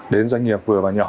đến doanh nghiệp vừa và nhỏ